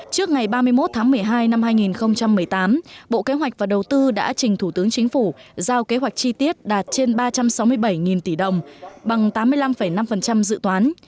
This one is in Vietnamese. trước ngày ba mươi một tháng một mươi hai năm hai nghìn một mươi tám bộ kế hoạch và đầu tư đã trình thủ tướng chính phủ giao kế hoạch chi tiết đạt trên ba trăm sáu mươi bảy tỷ đồng bằng tám mươi năm năm dự toán